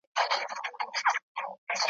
ستړی کړی مي خپل ځان کور په راحت دی ,